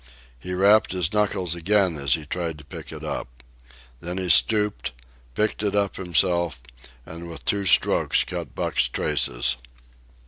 He rapped his knuckles again as he tried to pick it up. Then he stooped, picked it up himself, and with two strokes cut Buck's traces.